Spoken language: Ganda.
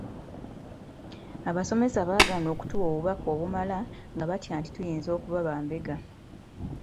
Abasomesa baagaana okutuwa obubaka obumala nga batya nti tuyinza okuba bambega.